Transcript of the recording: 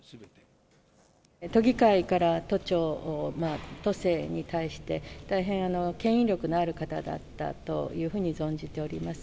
都議会から都庁、都政に対して、大変けん引力のある方だったというふうに存じております。